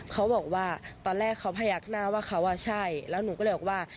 เขาบอกว่าตอนแรกเขาพยักหน้าว่าเขาอ่ะใช่แล้วหนูก็เลยบอกว่า